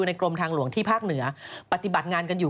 กรมทางหลวงที่ภาคเหนือปฏิบัติงานกันอยู่